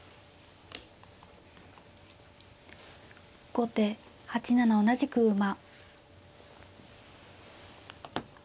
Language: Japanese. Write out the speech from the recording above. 後手８七同じく馬。